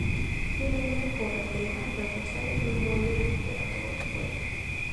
Tiene una corredera reforzada y un muelle recuperador fuerte.